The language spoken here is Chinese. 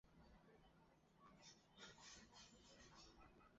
登上了包括纽约时报儿童畅销书在内的许多畅销书榜。